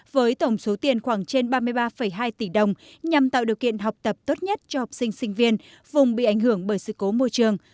với tổng số tiền khoảng trên ba mươi ba hai tỷ đồng nhằm tạo điều kiện học tập tốt nhất cho học sinh sinh viên vùng bị ảnh hưởng bởi sự cố môi trường